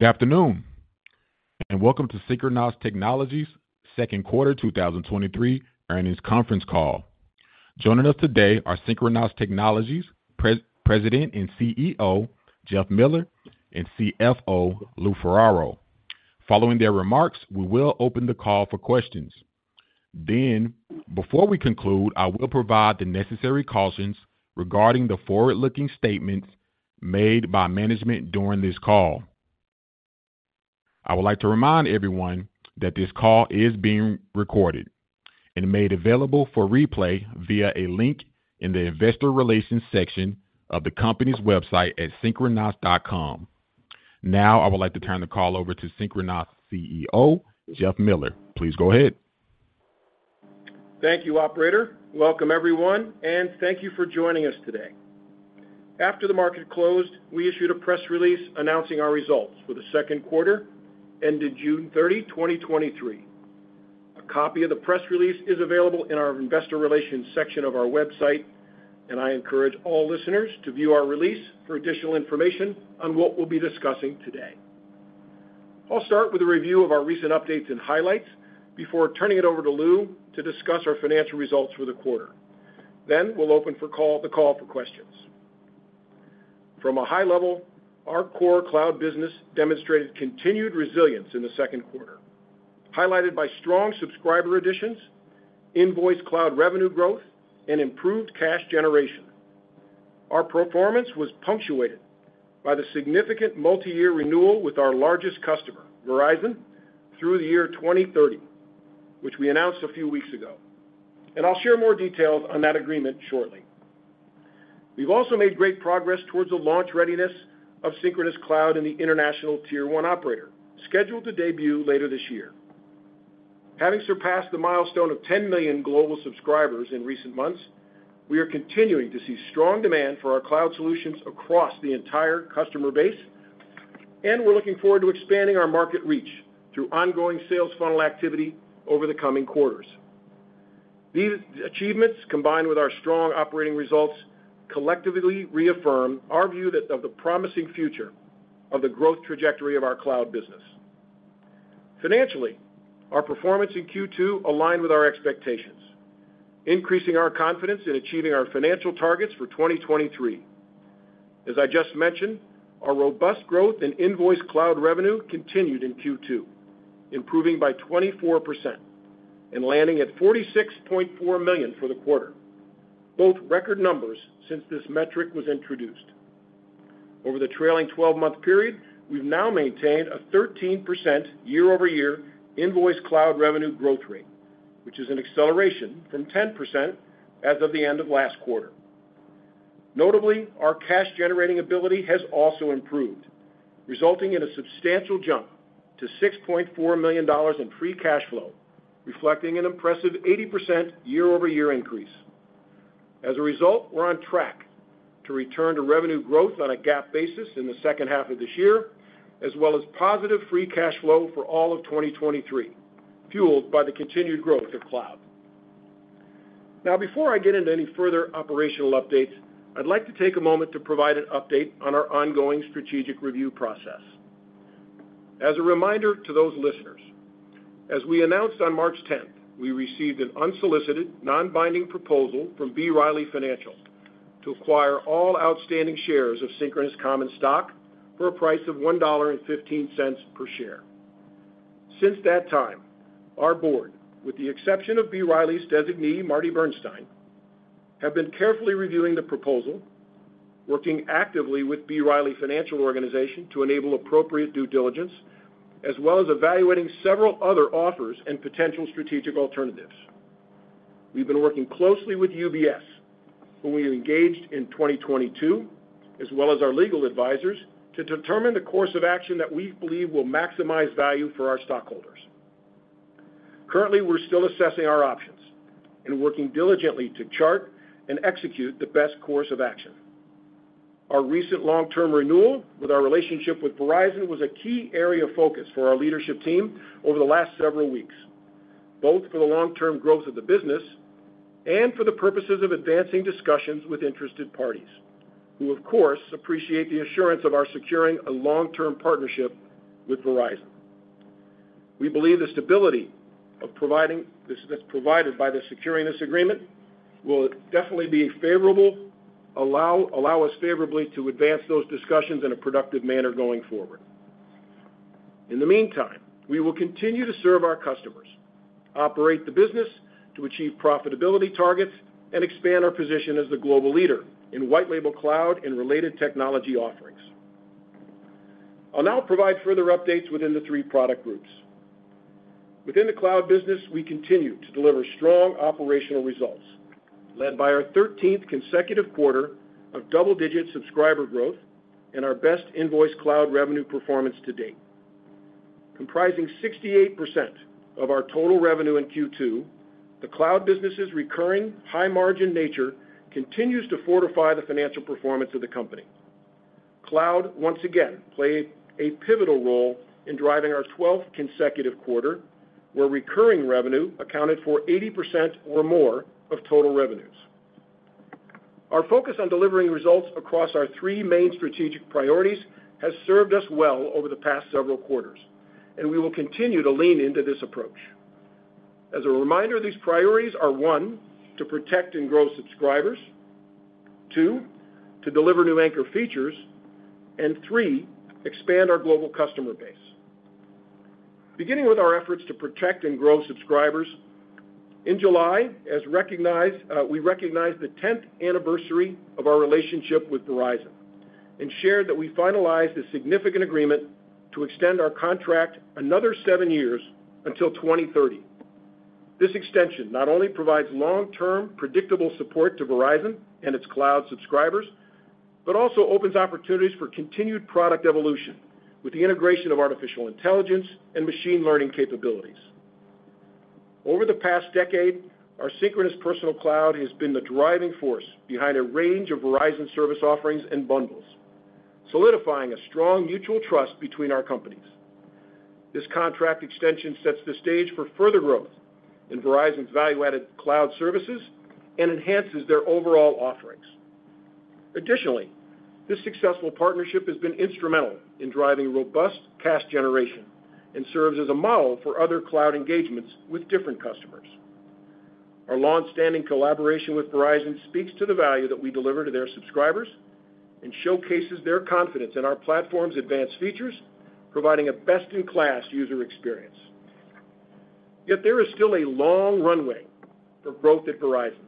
Good afternoon, and welcome to Synchronoss Technologies' Q2 2023 earnings conference call. Joining us today are Synchronoss Technologies President and CEO, Jeff Miller, and CFO, Lou Ferraro. Following their remarks, we will open the call for questions. Before we conclude, I will provide the necessary cautions regarding the forward-looking statements made by management during this call. I would like to remind everyone that this call is being recorded and made available for replay via a link in the investor relations section of the company's website at synchronoss.com. Now, I would like to turn the call over to Synchronoss CEO, Jeff Miller. Please go ahead. Thank you, operator. Welcome, everyone, and thank you for joining us today. After the market closed, we issued a press release announcing our results for the 2nd quarter, ended 30 June 2023. A copy of the press release is available in our investor relations section of our website, and I encourage all listeners to view our release for additional information on what we'll be discussing today. I'll start with a review of our recent updates and highlights before turning it over to Lou to discuss our financial results for the quarter. Then we'll open the call for questions. From a high level, our core cloud business demonstrated continued resilience in the 2nd quarter, highlighted by strong subscriber additions, Invoiced Cloud Revenue growth, and improved cash generation. Our performance was punctuated by the significant multiyear renewal with our largest customer, Verizon, through the year 2030, which we announced a few weeks ago, and I'll share more details on that agreement shortly. We've also made great progress towards the launch readiness of Synchronoss Cloud in the international Tier One operator, scheduled to debut later this year. Having surpassed the milestone of 10 million global subscribers in recent months, we are continuing to see strong demand for our cloud solutions across the entire customer base, and we're looking forward to expanding our market reach through ongoing sales funnel activity over the coming quarters. These achievements, combined with our strong operating results, collectively reaffirm our view that of the promising future of the growth trajectory of our cloud business. Financially, our performance in Q2 aligned with our expectations, increasing our confidence in achieving our financial targets for 2023. As I just mentioned, our robust growth in Invoiced Cloud Revenue continued in Q2, improving by 24% and landing at $46.4 million for the quarter, both record numbers since this metric was introduced. Over the trailing 12-month period, we've now maintained a 13% year-over-year Invoiced Cloud Revenue growth rate, which is an acceleration from 10% as of the end of last quarter. Notably, our cash generating ability has also improved, resulting in a substantial jump to $6.4 million in free cash flow, reflecting an impressive 80% year-over-year increase. As a result, we're on track to return to revenue growth on a GAAP basis in the H2 of this year, as well as positive free cash flow for all of 2023, fueled by the continued growth of cloud. Before I get into any further operational updates, I'd like to take a moment to provide an update on our ongoing strategic review process. As a reminder to those listeners, as we announced on March tenth, we received an unsolicited, non-binding proposal from B. Riley Financial to acquire all outstanding shares of Synchronoss common stock for a price of $1.15 per share. Since that time, our board, with the exception of B. Riley's designee, Marty Bernstein, have been carefully reviewing the proposal, working actively with B. Riley Financial Organization to enable appropriate due diligence, as well as evaluating several other offers and potential strategic alternatives. We've been working closely with UBS, who we engaged in 2022, as well as our legal advisors, to determine the course of action that we believe will maximize value for our stockholders. Currently, we're still assessing our options and working diligently to chart and execute the best course of action. Our recent long-term renewal with our relationship with Verizon was a key area of focus for our leadership team over the last several weeks, both for the long-term growth of the business and for the purposes of advancing discussions with interested parties, who, of course, appreciate the assurance of our securing a long-term partnership with Verizon. We believe the stability that's provided by securing this agreement will definitely be favorable, allow us favorably to advance those discussions in a productive manner going forward. In the meantime, we will continue to serve our customers, operate the business to achieve profitability targets, and expand our position as the global leader in white label cloud and related technology offerings. I'll now provide further updates within the three product groups. Within the Cloud business, we continue to deliver strong operational results, led by our 13th consecutive quarter of double-digit subscriber growth and our best Invoiced Cloud Revenue performance to date. Comprising 68% of our total revenue in Q2, the Cloud business's recurring, high-margin nature continues to fortify the financial performance of the company. Cloud, once again, played a pivotal role in driving our 12th consecutive quarter, where recurring revenue accounted for 80% or more of total revenues... Our focus on delivering results across our three main strategic priorities has served us well over the past several quarters, and we will continue to lean into this approach. As a reminder, these priorities are, one, to protect and grow subscribers, two, to deliver new anchor features, and three, expand our global customer base. Beginning with our efforts to protect and grow subscribers, in July, as recognized, we recognized the 10th anniversary of our relationship with Verizon and shared that we finalized a significant agreement to extend our contract another 7 years until 2030. This extension not only provides long-term, predictable support to Verizon and its cloud subscribers, but also opens opportunities for continued product evolution with the integration of artificial intelligence and machine learning capabilities. Over the past decade, our Synchronoss Personal Cloud has been the driving force behind a range of Verizon service offerings and bundles, solidifying a strong mutual trust between our companies. This contract extension sets the stage for further growth in Verizon's value-added cloud services and enhances their overall offerings. Additionally, this successful partnership has been instrumental in driving robust cash generation and serves as a model for other cloud engagements with different customers. Our long standing collaboration with Verizon speaks to the value that we deliver to their subscribers and showcases their confidence in our platform's advanced features, providing a best in class user experience. Yet there is still a long runway for growth at Verizon,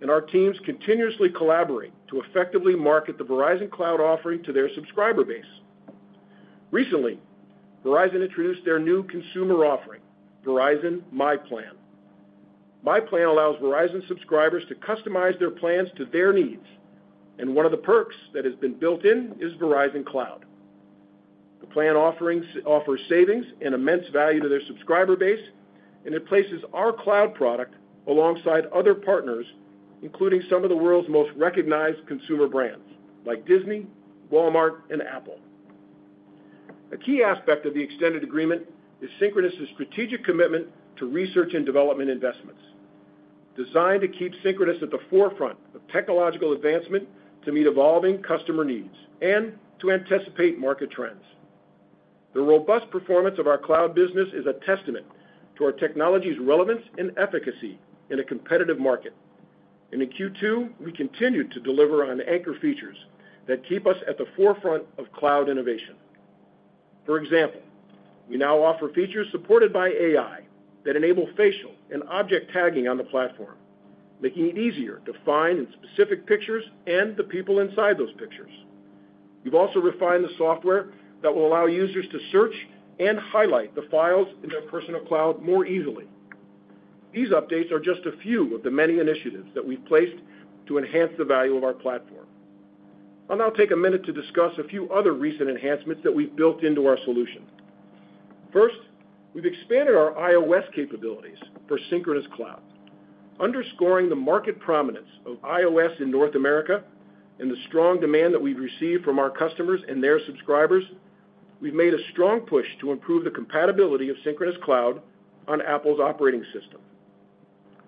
and our teams continuously collaborate to effectively market the Verizon Cloud offering to their subscriber base. Recently, Verizon introduced their new consumer offering, Verizon myPlan. myPlan allows Verizon subscribers to customize their plans to their needs, and one of the perks that has been built in is Verizon Cloud. The plan offerings offers savings and immense value to their subscriber base, and it places our cloud product alongside other partners, including some of the world's most recognized consumer brands, like Disney, Walmart, and Apple. A key aspect of the extended agreement is Synchronoss' strategic commitment to research and development investments, designed to keep Synchronoss at the forefront of technological advancement, to meet evolving customer needs, and to anticipate market trends. The robust performance of our cloud business is a testament to our technology's relevance and efficacy in a competitive market. In Q2, we continued to deliver on anchor features that keep us at the forefront of cloud innovation. For example, we now offer features supported by AI that enable facial and object tagging on the platform, making it easier to find specific pictures and the people inside those pictures. We've also refined the software that will allow users to search and highlight the files in their personal cloud more easily. These updates are just a few of the many initiatives that we've placed to enhance the value of our platform. I'll now take a minute to discuss a few other recent enhancements that we've built into our solution. First, we've expanded our iOS capabilities for Synchronoss Cloud, underscoring the market prominence of iOS in North America and the strong demand that we've received from our customers and their subscribers, we've made a strong push to improve the compatibility of Synchronoss Cloud on Apple's operating system.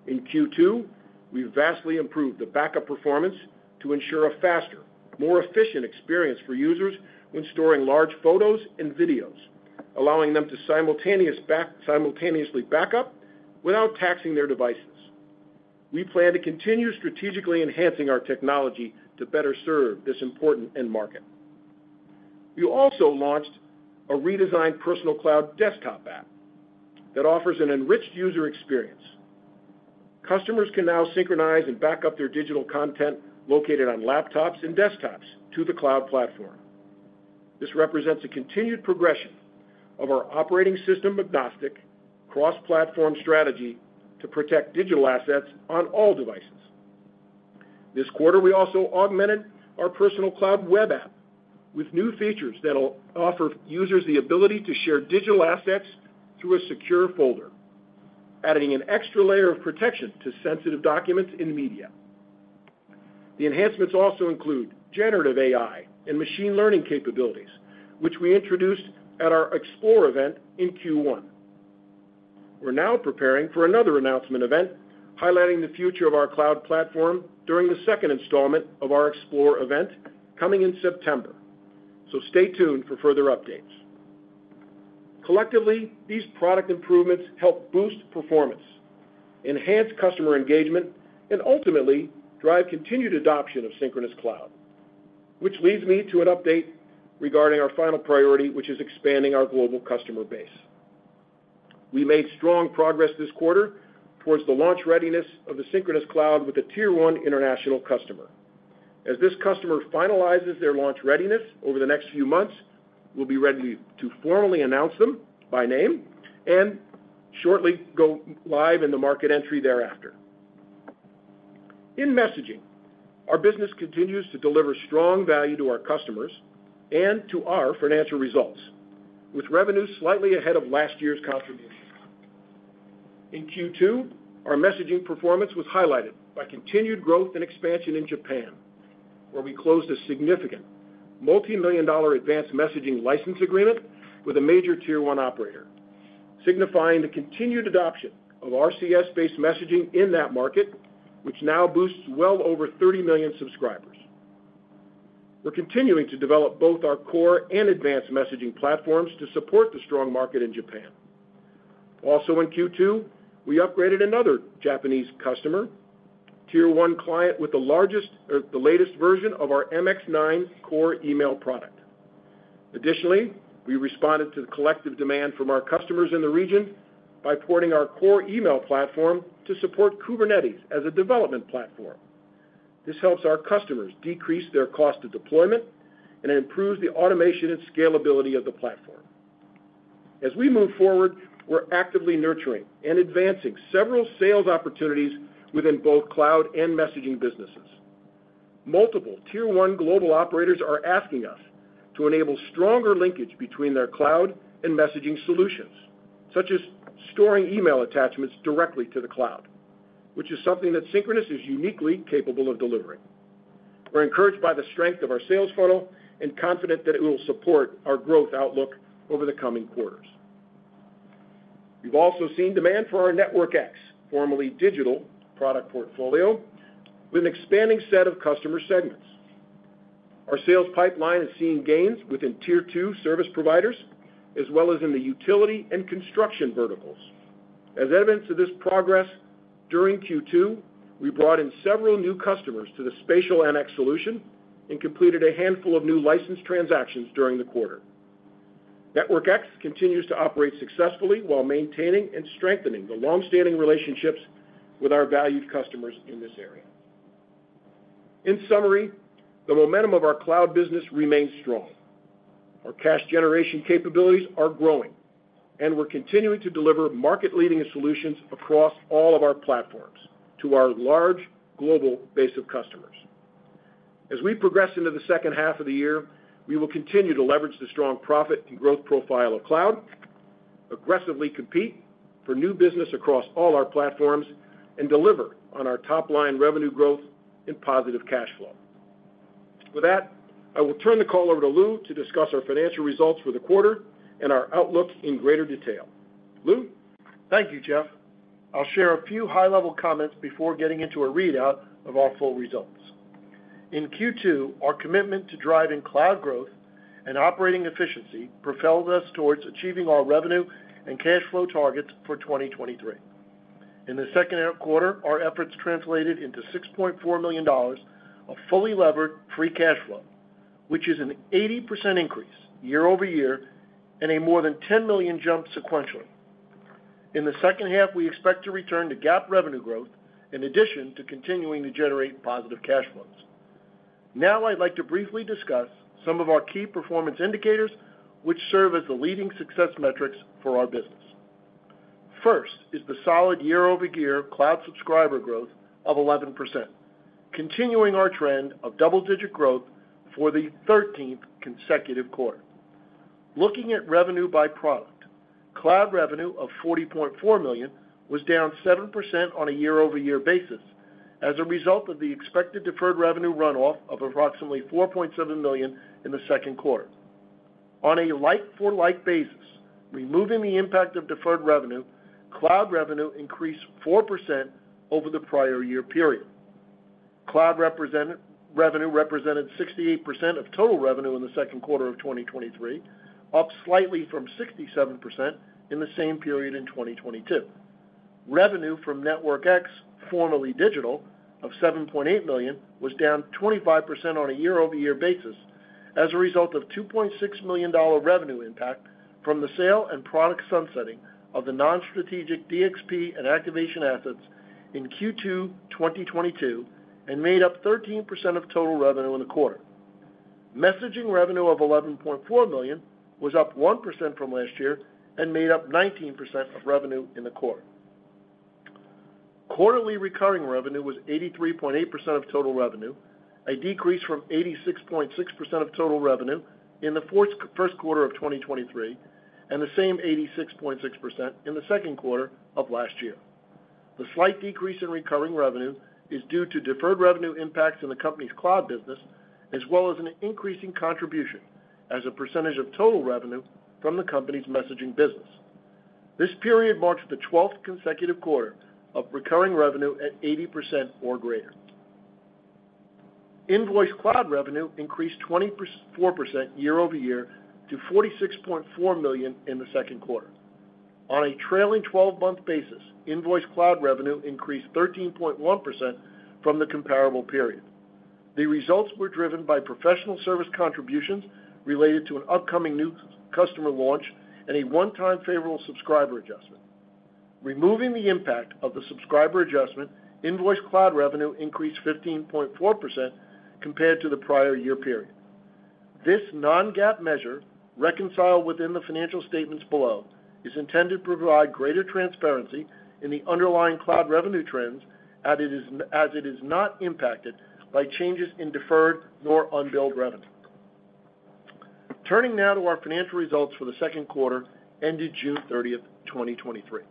In Q2, we've vastly improved the backup performance to ensure a faster, more efficient experience for users when storing large photos and videos, allowing them to simultaneously backup without taxing their devices. We plan to continue strategically enhancing our technology to better serve this important end market. We also launched a redesigned personal cloud desktop app that offers an enriched user experience. Customers can now synchronize and back up their digital content located on laptops and desktops to the cloud platform. This represents a continued progression of our operating system, agnostic, cross-platform strategy to protect digital assets on all devices. This quarter, we also augmented our personal cloud web app with new features that'll offer users the ability to share digital assets through a secure folder, adding an extra layer of protection to sensitive documents in the media. The enhancements also include generative AI and machine learning capabilities, which we introduced at our Explore event in Q1. We're now preparing for another announcement event, highlighting the future of our cloud platform during the second installment of our Explore event coming in September. Stay tuned for further updates. Collectively, these product improvements help boost performance, enhance customer engagement, and ultimately drive continued adoption of Synchronoss Cloud. Which leads me to an update regarding our final priority, which is expanding our global customer base. We made strong progress this quarter towards the launch readiness of the Synchronoss Cloud with a Tier 1 international customer. As this customer finalizes their launch readiness over the next few months, we'll be ready to formally announce them by name and shortly go live in the market entry thereafter. In messaging, our business continues to deliver strong value to our customers and to our financial results, with revenues slightly ahead of last year's contribution. In Q2, our messaging performance was highlighted by continued growth and expansion in Japan, where we closed a significant multimillion dollar advanced messaging license agreement with a major Tier 1 operator, signifying the continued adoption of RCS based messaging in that market, which now boasts well over 30 million subscribers. We're continuing to develop both our core and advanced messaging platforms to support the strong market in Japan. In Q2, we upgraded another Japanese customer, Tier One client, with the latest version of our Mx9 core email product. Additionally, we responded to the collective demand from our customers in the region by porting our core email platform to support Kubernetes as a development platform. This helps our customers decrease their cost of deployment and improves the automation and scalability of the platform. As we move forward, we're actively nurturing and advancing several sales opportunities within both cloud and messaging businesses. Multiple Tier One global operators are asking us to enable stronger linkage between their cloud and messaging solutions, such as storing email attachments directly to the cloud, which is something that Synchronoss is uniquely capable of delivering. We're encouraged by the strength of our sales funnel and confident that it will support our growth outlook over the coming quarters. We've also seen demand for our NetworkX, formerly Digital product portfolio, with an expanding set of customer segments. Our sales pipeline is seeing gains within Tier Two service providers, as well as in the utility and construction verticals. As evidence of this progress, during Q2, we brought in several new customers to the SpatialAXXESS solution and completed a handful of new license transactions during the quarter. NetworkX continues to operate successfully while maintaining and strengthening the long-standing relationships with our valued customers in this area. In summary, the momentum of our cloud business remains strong. Our cash generation capabilities are growing, and we're continuing to deliver market-leading solutions across all of our platforms to our large global base of customers. As we progress into the H2 of the year, we will continue to leverage the strong profit and growth profile of Cloud, aggressively compete for new business across all our platforms, and deliver on our top-line revenue growth and positive cash flow. With that, I will turn the call over to Lou Ferraro to discuss our financial results for the quarter and our outlook in greater detail. Lou? Thank you, Jeff. I'll share a few high-level comments before getting into a readout of our full results. In Q2, our commitment to driving cloud growth and operating efficiency propelled us towards achieving our revenue and cash flow targets for 2023. In the second quarter, our efforts translated into $6.4 million of fully levered free cash flow, which is an 80% increase year-over-year and a more than $10 million jump sequentially. In the H2, we expect to return to GAAP revenue growth, in addition to continuing to generate positive cash flows. I'd like to briefly discuss some of our key performance indicators, which serve as the leading success metrics for our business. First is the solid year-over-year cloud subscriber growth of 11%, continuing our trend of double-digit growth for the 13th consecutive quarter. Looking at revenue by product, cloud revenue of $40.4 million was down 7% on a year-over-year basis as a result of the expected deferred revenue runoff of approximately $4.7 million in the second quarter. On a like-for-like basis, removing the impact of deferred revenue, cloud revenue increased 4% over the prior year period. Cloud revenue represented 68% of total revenue in the second quarter of 2023, up slightly from 67% in the same period in 2022. Revenue from NetworkX, formerly Digital, of $7.8 million, was down 25% on a year-over-year basis as a result of $2.6 million revenue impact from the sale and product sunsetting of the non-strategic DXP and activation assets in Q2 2022, and made up 13% of total revenue in the quarter. Messaging revenue of $11.4 million was up 1% from last year and made up 19% of revenue in the quarter. Quarterly recurring revenue was 83.8% of total revenue, a decrease from 86.6% of total revenue in the first quarter of 2023, and the same 86.6% in the second quarter of last year. The slight decrease in recurring revenue is due to deferred revenue impacts in the company's cloud business, as well as an increasing contribution as a percentage of total revenue from the company's messaging business. This period marks the 12th consecutive quarter of recurring revenue at 80% or greater. Invoiced Cloud Revenue increased 24% year-over-year to $46.4 million in the second quarter. On a trailing twelve month basis, Invoiced Cloud Revenue increased 13.1% from the comparable period. The results were driven by professional service contributions related to an upcoming new customer launch and a one-time favorable subscriber adjustment. Removing the impact of the subscriber adjustment, Invoiced Cloud Revenue increased 15.4% compared to the prior year period. This non-GAAP measure, reconciled within the financial statements below, is intended to provide greater transparency in the underlying cloud revenue trends, as it is not impacted by changes in deferred nor unbilled revenue. Turning now to our financial results for the second quarter, ended June 30, 2023.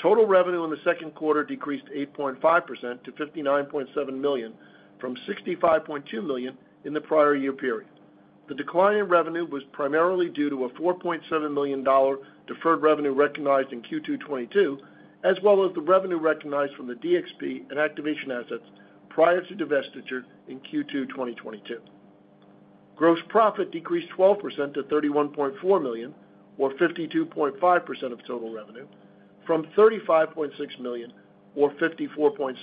Total revenue in the second quarter decreased 8.5% to $59.7 million, from $65.2 million in the prior year period. The decline in revenue was primarily due to a $4.7 million deferred revenue recognized in Q2 2022, as well as the revenue recognized from the DXP and activation assets prior to divestiture in Q2 2022. Gross profit decreased 12% to $31.4 million, or 52.5% of total revenue, from $35.6 million, or 54.6%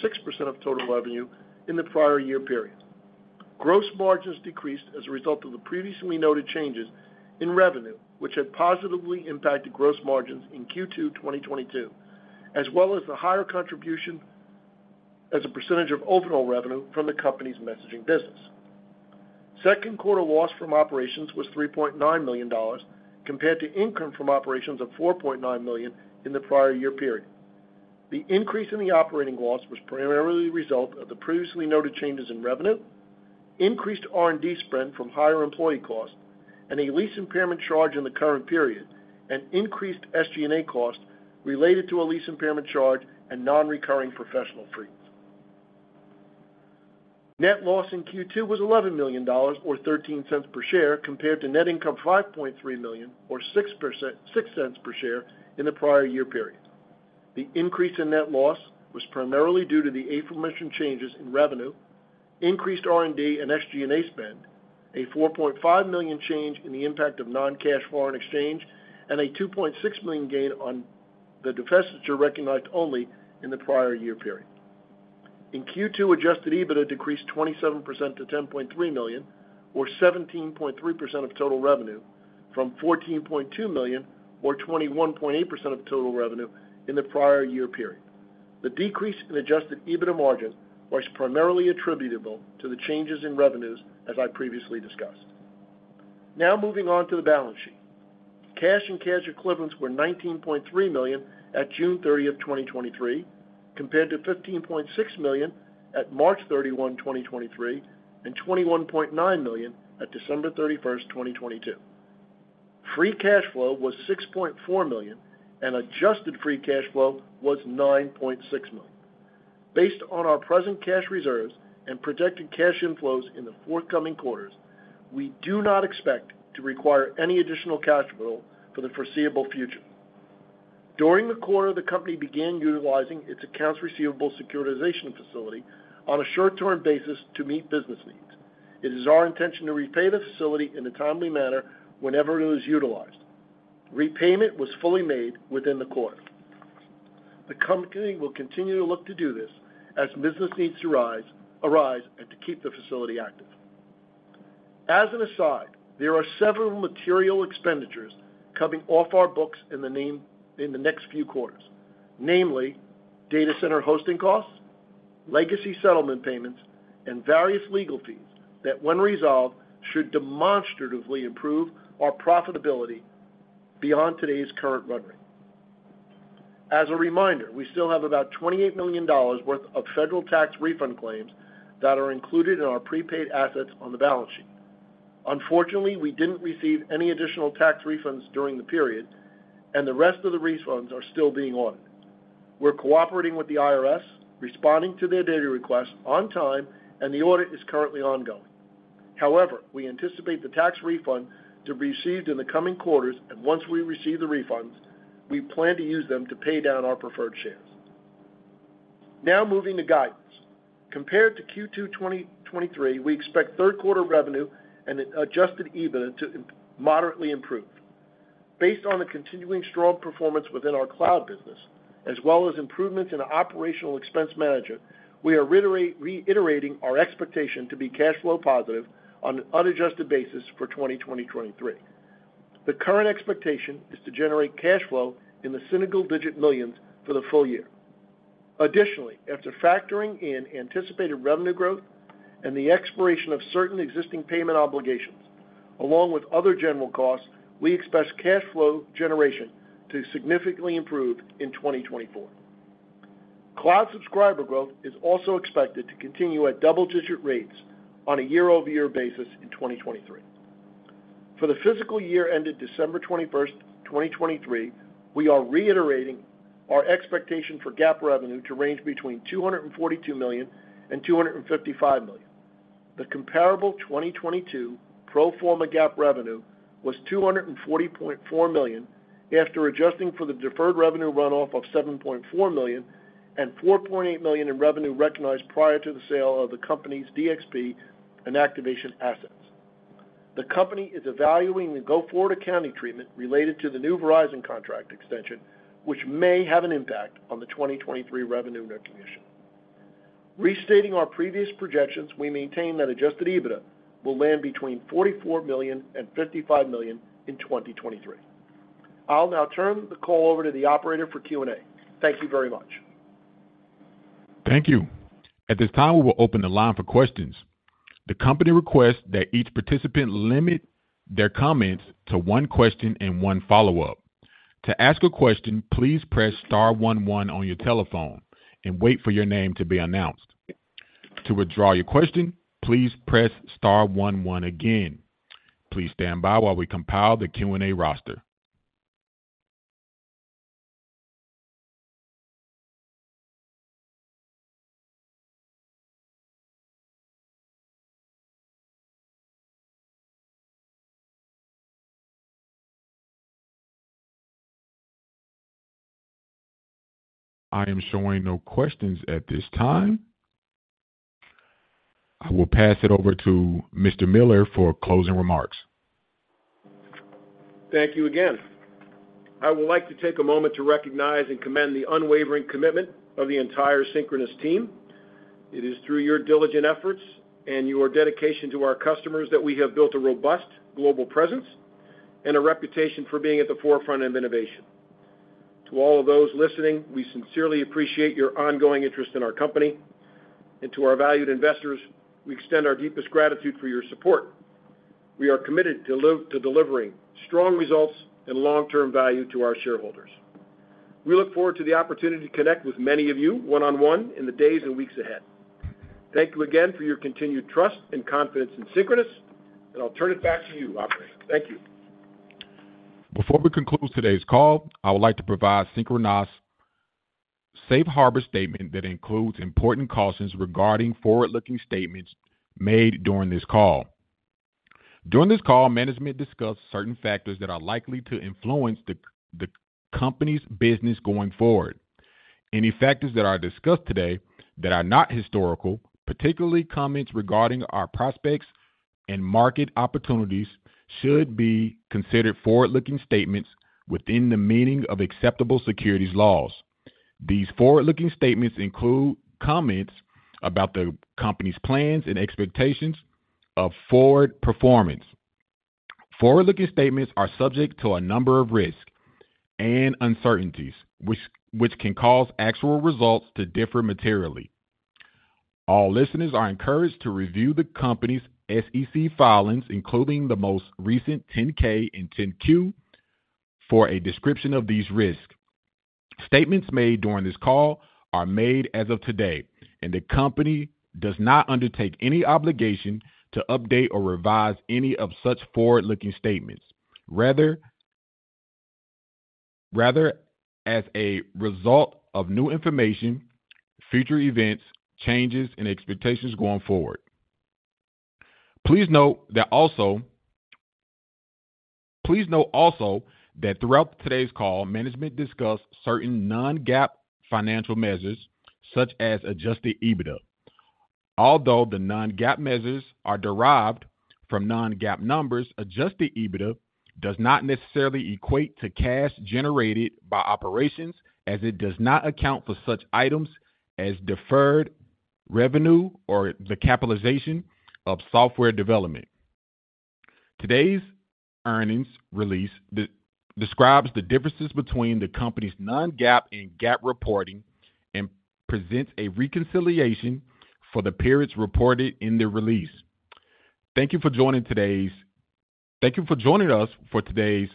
of total revenue in the prior year period. Gross margins decreased as a result of the previously noted changes in revenue, which had positively impacted gross margins in Q2 2022, as well as the higher contribution as a percentage of overall revenue from the company's messaging business. Second quarter loss from operations was $3.9 million, compared to income from operations of $4.9 million in the prior year period. The increase in the operating loss was primarily a result of the previously noted changes in revenue, increased R&D spend from higher employee costs, and a lease impairment charge in the current period, and increased SG&A costs related to a lease impairment charge and non-recurring professional fees. Net loss in Q2 was $11 million or $0.13 per share, compared to net income $5.3 million or $0.06 per share in the prior year period. The increase in net loss was primarily due to the aforementioned changes in revenue, increased R&D and SG&A spend, a $4.5 million change in the impact of non-cash foreign exchange, and a $2.6 million gain on the divestiture recognized only in the prior year period. In Q2, adjusted EBITDA decreased 27% to $10.3 million, or 17.3% of total revenue, from $14.2 million, or 21.8% of total revenue in the prior year period. The decrease in adjusted EBITDA margin was primarily attributable to the changes in revenues, as I previously discussed. Moving on to the balance sheet. Cash and cash equivalents were $19.3 million at 30 June, 2023, compared to $15.6 million at 31 March 2023, and $21.9 million at 31 December 2022. Free cash flow was $6.4 million, and adjusted free cash flow was $9.6 million. Based on our present cash reserves and projected cash inflows in the forthcoming quarters, we do not expect to require any additional cash flow for the foreseeable future. During the quarter, the company began utilizing its accounts receivable securitization facility on a short-term basis to meet business needs. It is our intention to repay the facility in a timely manner whenever it is utilized. Repayment was fully made within the quarter. The company will continue to look to do this as business needs arise, and to keep the facility active. As an aside, there are several material expenditures coming off our books in the next few quarters. Namely, data center hosting costs, legacy settlement payments, and various legal fees that, when resolved, should demonstratively improve our profitability beyond today's current run rate. As a reminder, we still have about $28 million worth of federal tax refund claims that are included in our prepaid assets on the balance sheet. Unfortunately, we didn't receive any additional tax refunds during the period, and the rest of the refunds are still being audited. We're cooperating with the IRS, responding to their data requests on time, and the audit is currently ongoing. However, we anticipate the tax refund to be received in the coming quarters, and once we receive the refunds, we plan to use them to pay down our preferred shares. Now, moving to guidance. Compared to Q2 2023, we expect third quarter revenue and an adjusted EBITDA to moderately improve. Based on the continuing strong performance within our cloud business, as well as improvements in operational expense management, we are reiterating our expectation to be cash flow positive on an unadjusted basis for 2023. The current expectation is to generate cash flow in the single-digit millions for the full year. Additionally, after factoring in anticipated revenue growth and the expiration of certain existing payment obligations, along with other general costs, we expect cash flow generation to significantly improve in 2024. Cloud subscriber growth is also expected to continue at double digit rates on a year-over-year basis in 2023. For the fiscal year ended 21 December 2023, we are reiterating our expectation for GAAP revenue to range between $242 million and $255 million. The comparable 2022 pro forma GAAP revenue was $240.4 million, after adjusting for the deferred revenue runoff of $7.4 million and $4.8 million in revenue recognized prior to the sale of the company's DXP and activation assets. The company is evaluating the go-forward accounting treatment related to the new Verizon contract extension, which may have an impact on the 2023 revenue recognition. Restating our previous projections, we maintain that adjusted EBITDA will land between $44 million and $55 million in 2023. I'll now turn the call over to the operator for Q&A. Thank you very much. Thank you. At this time, we will open the line for questions. The company requests that each participant limit their comments to 1 question and 1 follow-up. To ask a question, please press star 11 on your telephone and wait for your name to be announced. To withdraw your question, please press star 11 again. Please stand by while we compile the Q&A roster. I am showing no questions at this time. I will pass it over to Mr. Miller for closing remarks. Thank you again. I would like to take a moment to recognize and commend the unwavering commitment of the entire Synchronoss team. It is through your diligent efforts and your dedication to our customers that we have built a robust global presence and a reputation for being at the forefront of innovation. To all of those listening, we sincerely appreciate your ongoing interest in our company, and to our valued investors, we extend our deepest gratitude for your support. We are committed to delivering strong results and long-term value to our shareholders. We look forward to the opportunity to connect with many of you one-on-one in the days and weeks ahead. Thank you again for your continued trust and confidence in Synchronoss, and I'll turn it back to you, operator. Thank you. Before we conclude today's call, I would like to provide Synchronoss' safe harbor statement that includes important cautions regarding forward-looking statements made during this call. During this call, management discussed certain factors that are likely to influence the company's business going forward. Any factors that are discussed today that are not historical, particularly comments regarding our prospects and market opportunities, should be considered forward-looking statements within the meaning of acceptable securities laws. These forward-looking statements include comments about the company's plans and expectations of forward performance. Forward-looking statements are subject to a number of risks and uncertainties, which can cause actual results to differ materially. All listeners are encouraged to review the company's SEC filings, including the most recent 10-K and 10-Q, for a description of these risks. Statements made during this call are made as of today, the company does not undertake any obligation to update or revise any of such forward-looking statements, as a result of new information, future events, changes, and expectations going forward. Please note also that throughout today's call, management discussed certain non-GAAP financial measures, such as adjusted EBITDA. Although the non-GAAP measures are derived from non-GAAP numbers, adjusted EBITDA does not necessarily equate to cash generated by operations, as it does not account for such items as deferred revenue or the capitalization of software development. Today's earnings release describes the differences between the company's non-GAAP and GAAP reporting and presents a reconciliation for the periods reported in the release. Thank you for joining us for today's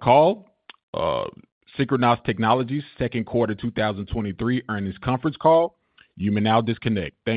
call, Synchronoss Technologies second quarter 2023 earnings conference call. You may now disconnect. Thank you.